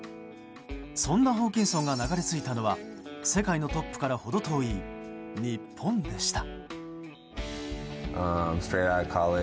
そんなホーキンソンが流れ着いたのは世界のトップから程遠い日本でした。